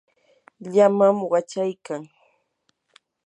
llamam wachaykan.